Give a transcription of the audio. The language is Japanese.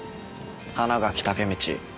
花垣武道。